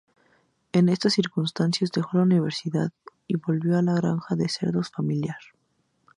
En estas circunstancias, dejó la universidad y volvió a la granja de cerdos familiar.